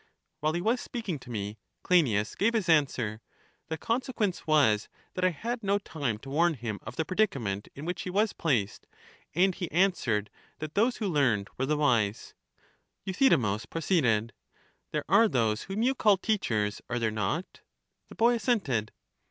While he was speaking to me, Cleinias gave his answer: the consequence was that I had no time to warn him of the predicament in which he was placed, and he answered that those who learned were the wise. Euthydemus proceeded: There are those whom you call teachers, are there not? The boy assented.